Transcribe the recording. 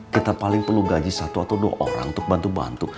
kita paling perlu gaji satu atau dua orang untuk bantu bantu